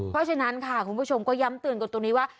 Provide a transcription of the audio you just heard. เพราะฉะนั้นค่ะคุณผู้ชมก็ย้ำเตือนกันตรงนี้ว่า